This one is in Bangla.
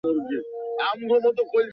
ভাবছেন, আমি নিজেকে ঠিকমতো বোঝাইনি?